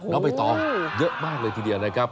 ใบตองเยอะมากเลยทีเดียวนะครับ